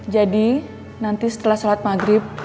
jadi nanti setelah sholat maghrib